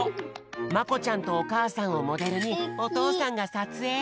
まこちゃんとおかあさんをモデルにおとうさんがさつえい。